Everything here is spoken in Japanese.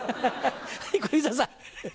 はい小遊三さん。